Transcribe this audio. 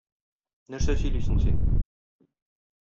Нәрсә сөйлисең син?